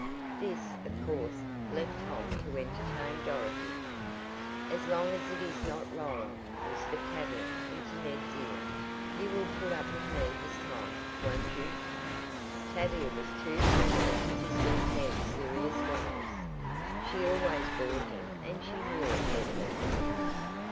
This, of course, left Tom to entertain Dorothy. "As long as it is not Roland," whispered Tavia into Ned's ear, "you will put up with me this time, won't you?" Tavia was too frivolous to suit Ned's serious ways. She always bored him, and she knew it, evidently.